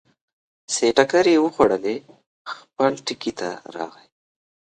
چې ټکرې یې وخوړلې، خپل ټکي ته راغی.